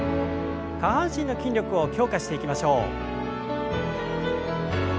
下半身の筋力を強化していきましょう。